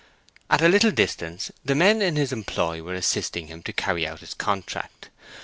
At a little distance the men in his employ were assisting him to carry out his contract.